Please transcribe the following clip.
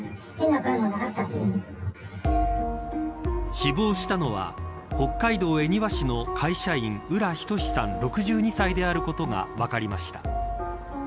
死亡したのは北海道恵庭市の会社員浦仁志さん６２歳であることが分かりました。